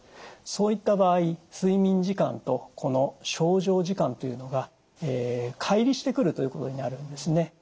そういった場合睡眠時間とこの床上時間というのがかい離してくるということになるんですね。